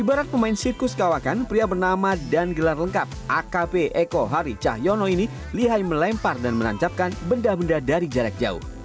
ibarat pemain sirkus kawakan pria bernama dan gelar lengkap akp eko hari cahyono ini lihai melempar dan menancapkan benda benda dari jarak jauh